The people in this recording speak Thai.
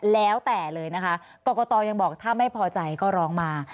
แล้วแต่เลยนะคะกรกตยังบอกถ้าไม่พอใจก็ร้องมา